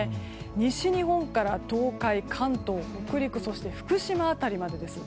西日本から東海関東、北陸そして福島辺りまでです。